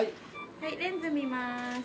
はいレンズ見ます。